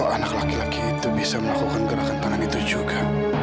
anak laki laki itu bisa melakukan gerakan tangan itu juga